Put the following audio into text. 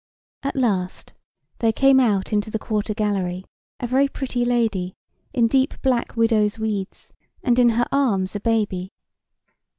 At last there came out into the quarter gallery a very pretty lady, in deep black widow's weeds, and in her arms a baby.